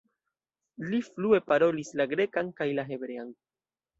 Li flue parolis la grekan kaj la hebrean.